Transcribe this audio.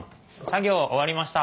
作業終わりました。